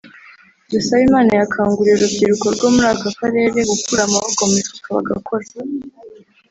Dusabimana yakanguriye urubyiruko rwo muri aka karere gukura amaboko mu mifuka bagakora